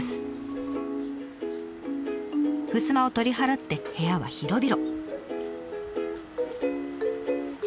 ふすまを取り払って部屋は広々。